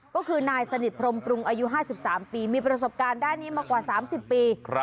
ก็คือนายสนิทพรมปรุงอายุ๕๓ปีมีประสบการณ์ด้านนี้มากว่า๓๐ปี